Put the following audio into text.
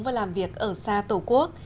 và làm việc ở xa tổ quốc